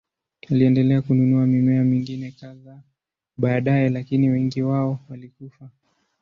Aliendelea kununua mimea mingine kadhaa baadaye, lakini wengi wao walikufa.